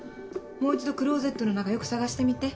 もう一度クロゼットの中よく捜してみて。